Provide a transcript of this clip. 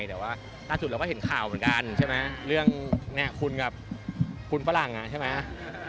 แต่ว่าล่าสุดเราก็เห็นข่าวเหมือนกันใช่ไหมเรื่องเนี่ยคุณกับคุณฝรั่งใช่ไหม